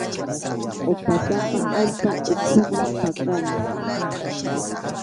Qʼupataqa allpa ukhuman pakana.